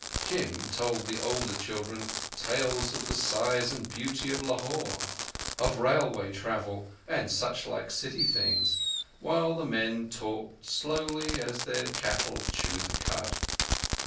Kim told the older children tales of the size and beauty of Lahore, of railway travel, and such like city things, while the men talked, slowly as their cattle chew the cud.